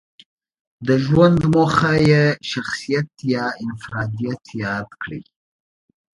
د ژوند موخه یې شخصيت يا انفراديت ياد کړی.